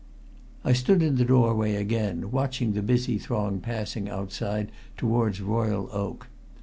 I stood in the doorway again watching the busy throng passing outside towards Royal Oak.